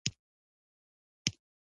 چې د چاینکې وروستۍ پیاله ښه دم شوې وي.